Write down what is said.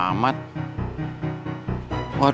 banyak media discussing yang tersantai santai